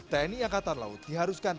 tni angkatan laut diharuskan